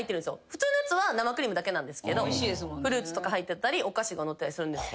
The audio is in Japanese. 普通のやつは生クリームだけなんですけどフルーツとか入ってたりお菓子がのってたりするんです。